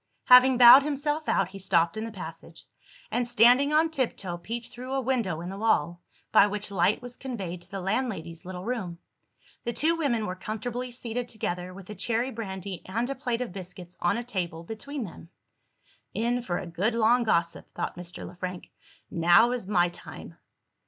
Having bowed himself out, he stopped in the passage, and, standing on tiptoe, peeped through a window in the wall, by which light was conveyed to the landlady's little room. The two women were comfortably seated together, with the cherry brandy and a plate of biscuits on a table between them. "In for a good long gossip," thought Mr. Le Frank. "Now is my time!"